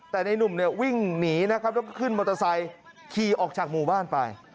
แต่ในนุ่มวิ่งหนีได้ขึ้นมอเตอร์ไซค์คีออกจากหมู่บ้านไป